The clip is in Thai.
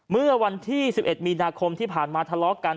เมื่อวันที่๑๑มีนาคมที่ผ่านมาทะเลาะกัน